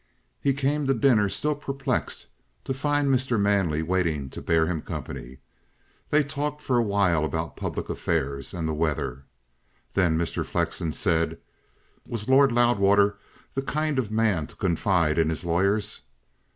He came to dinner, still perplexed, to find Mr. Manley waiting to bear him company. They talked for a while about public affairs and the weather. Then Mr. Flexen said: "Was Lord Loudwater the kind of man to confide in his lawyers?"